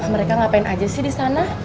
mereka ngapain aja sih di sana